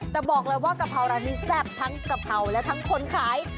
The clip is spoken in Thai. แต่บอกเลยว่ากะเพราร้านนี้แซ่บทั้งกะเพราและทั้งคนขาย